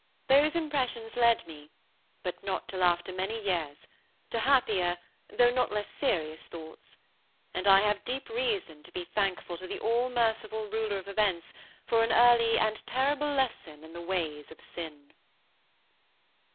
Those impressions led me but not till after many years to happier though not less serious thoughts; and I have deep reason to be thankful to the all merciful Ruler of events for an early and terrible lesson in the ways of sin.